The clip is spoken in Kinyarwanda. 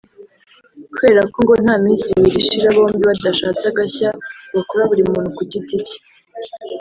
kubera ko ngo nta minsi ibiri ishira bombi badashatse agashya bakora buri muntu ku giti cye